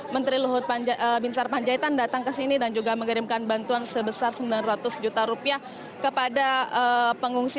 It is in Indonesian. menjahitan datang ke sini dan juga mengirimkan bantuan sebesar sembilan ratus juta rupiah kepada pengungsi